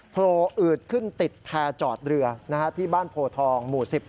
โผล่อืดขึ้นติดแพรจอดเรือที่บ้านโพทองหมู่๑๐